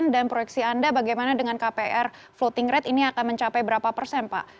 dan proyeksi anda bagaimana dengan kpr floating rate ini akan mencapai berapa persen pak